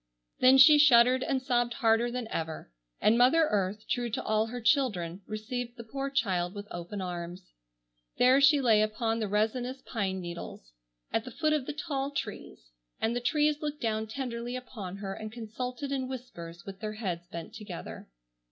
Then she shuddered and sobbed harder than ever. And mother earth, true to all her children, received the poor child with open arms. There she lay upon the resinous pine needles, at the foot of the tall trees, and the trees looked down tenderly upon her and consulted in whispers with their heads bent together.